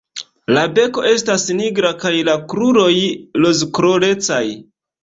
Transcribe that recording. La beko estas nigra kaj la kruroj rozkolorecaj.